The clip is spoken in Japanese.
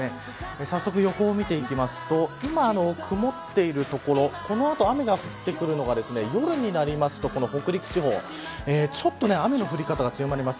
早速、予報を見ていきますと今、曇っている所この後、雨が降ってくるのが夜になりますと北陸地方、ちょっと雨の降り方が強まります。